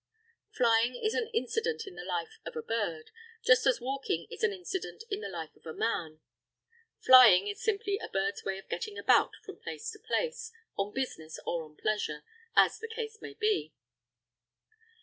Flying is an incident in the life of a bird, just as walking is an incident in the life of a man. Flying is simply a bird's way of getting about from place to place, on business or on pleasure, as the case may be.